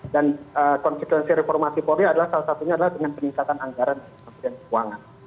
dan konsekuensi reformasi polri adalah salah satunya dengan peningkatan anggaran dari kepolisian keuangan